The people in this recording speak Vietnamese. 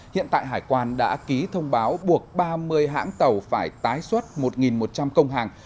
hiện tại hải quan đã ký thông báo buộc ba mươi hãng tàu phải tái xuất một một trăm linh công hàng